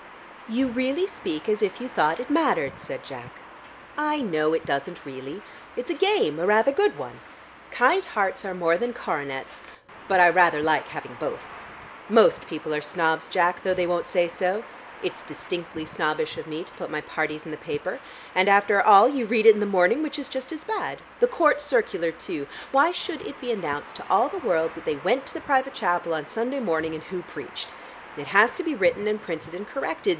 "You really speak as if you thought it mattered," said Jack. "I know it doesn't really. It's a game, a rather good one. Kind hearts are more than coronets, but I rather like having both. Most people are snobs, Jack, though they won't say so. It's distinctly snobbish of me to put my parties in the paper, and after all you read it in the morning, which is just as bad. The Court Circular too! Why should it be announced to all the world that they went to the private chapel on Sunday morning and who preached? It has to be written and printed and corrected.